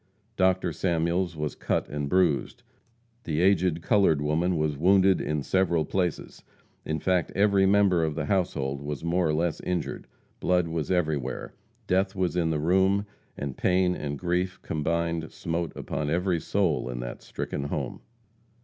Dr. Samuels was cut and bruised; the aged colored woman was wounded in several places; in fact, every member of the household was more or less injured. Blood was everywhere. Death was in the room; and pain and grief combined smote upon every soul in that stricken home.